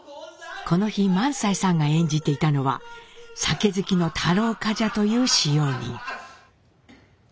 この日萬斎さんが演じていたのは酒好きの太郎冠者という使用人。